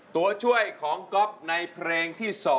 ตัวช่วยของก๊อฟในเพลงที่๒